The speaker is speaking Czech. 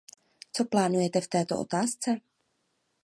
Co plánujete v této otázce?